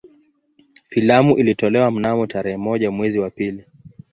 Filamu ilitolewa mnamo tarehe moja mwezi wa pili